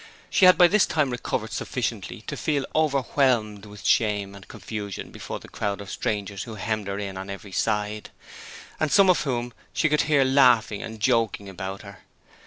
She had by this time recovered sufficiently to feel overwhelmed with shame and confusion before the crowd of strangers who hemmed her in on every side, and some of whom she could hear laughing and joking about her.